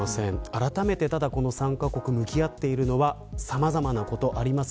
あらためてこの３カ国、向き合っているのはさまざまなことがあります。